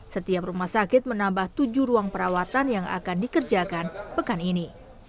setiap rumah sakit menambah tujuh ruang perawatan yang akan dikerjakan pekan ini